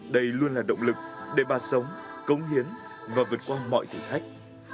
đây luôn là động lực để bà sống cống hiến và vượt qua mọi thử thách